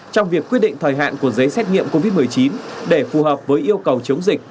trong việc quyết định thời hạn của giấy xét nghiệm covid một mươi chín để phù hợp với yêu cầu chống dịch